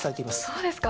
そうですか。